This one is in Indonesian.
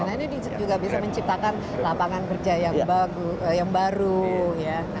nah ini juga bisa menciptakan lapangan kerja yang baru ya